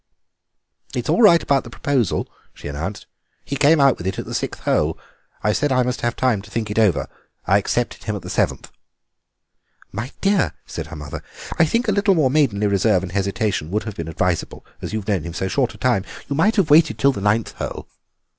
"It's all right about the proposal," she announced; "he came out with it at the sixth hole. I said I must have time to think it over. I accepted him at the seventh." "My dear," said her mother, "I think a little more maidenly reserve and hesitation would have been advisable, as you've known him so short a time. You might have waited till the ninth hole."